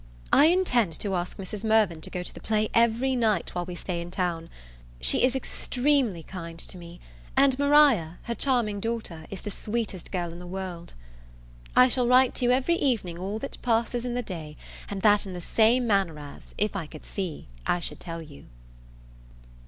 I intend to ask Mrs. Mirvan to go to the play every night while we stay in town. She is extremely kind to me; and Maria, her charming daughter, is the sweetest girl in the world. I shall write to you every evening all that passes in the day, and that in the same manner as, if I could see, I should tell you.